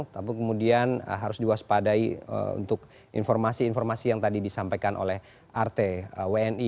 tapi kemudian harus diwaspadai untuk informasi informasi yang tadi disampaikan oleh arte wni